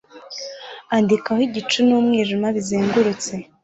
Andika aho igicu numwijima bizengurutse